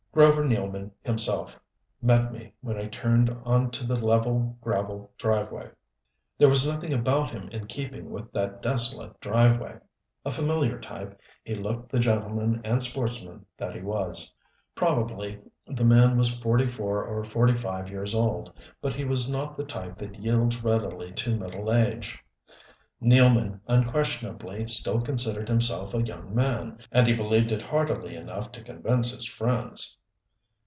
Grover Nealman himself met me when I turned on to the level, gravel driveway. There was nothing about him in keeping with that desolate driveway. A familiar type, he looked the gentleman and sportsman that he was. Probably the man was forty four or forty five years old, but he was not the type that yields readily to middle age. Nealman unquestionably still considered himself a young man, and he believed it heartily enough to convince his friends.